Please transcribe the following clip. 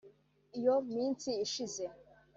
Iyo minsi ishize